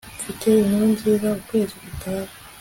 mfite inkuru nziza. ukwezi gutaha